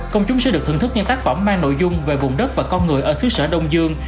công chúng sẽ được thưởng thức những tác phẩm mang nội dung về vùng đất và con người ở xứ sở đông dương